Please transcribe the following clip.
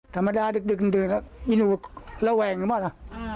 ธรรมดาดึกดื่นอีหนูระแวงหรือเปล่าล่ะ